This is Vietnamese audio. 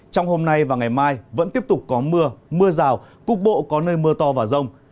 trong hôm nay và ngày mai vẫn tiếp tục có mưa mưa rào cục bộ có nơi mưa to và rông